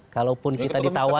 kalaupun kita ditawari